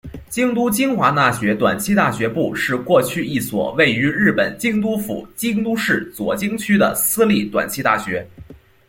京都精华大学短期大学部是过去一所位于日本京都府京都市左京区的私立短期大学。